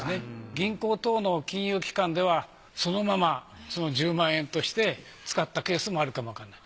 銀行等の金融機関ではそのまま１０万円として使ったケースもあるかもわからない。